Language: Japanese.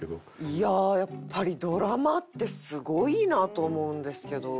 いやあやっぱりドラマってすごいなと思うんですけど。